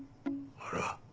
あら。